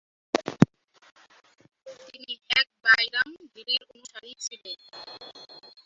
তিনি হ্যাক বায়রাম-ভেলির অনুসারী ছিলেন।